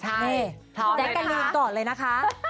แซคกายลีงก่อนเลยนะคะ